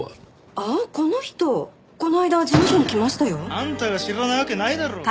あんたが知らないわけないだろうが。